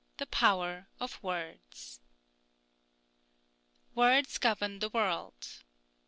IX. THE POWER OF WORDS. Words govern the world.